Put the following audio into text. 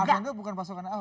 ahok itu bukan pasukan ahok